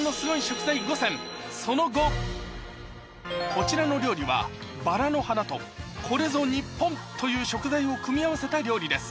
こちらの料理は薔薇の花とこれぞ日本という食材を組み合わせた料理です